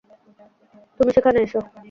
তুমি সেখানে এসো।